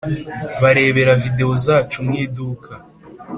Barebera videwo zacu mu iduka